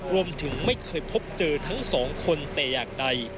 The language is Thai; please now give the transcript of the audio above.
รวมถึงไม่เคยพบเจอทั้งสองคนแต่อย่างใด